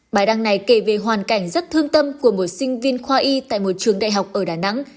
bài đăng này kể về hoàn cảnh rất thương tâm của một sinh viên khoa y tại một trường đại học ở đà nẵng